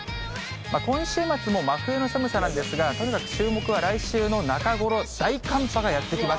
今週末も真冬の寒さなんですが、とにかく注目が来週の中頃、大寒波がやって来ます。